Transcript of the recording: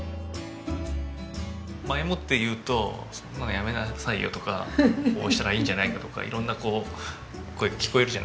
前もって言うとそんなのやめなさいよとかこうしたらいいんじゃないかとか色んな声が聞こえるじゃないですか。